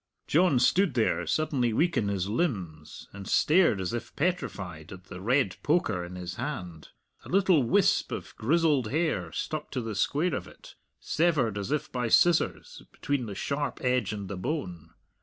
John stood there, suddenly weak in his limbs, and stared, as if petrified, at the red poker in his hand. A little wisp of grizzled hair stuck to the square of it, severed, as by scissors, between the sharp edge and the bone.